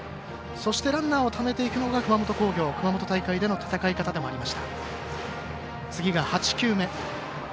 そしてランナーをためていくのが熊本工業、熊本大会での戦い方でもありました。